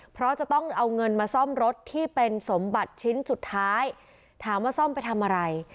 เพราะจะต้องเอาเงินมาซ่อมรถที่เป็นสมบัติชิ้นสุดท้ายถามว่าซ่อมไปทำอะไร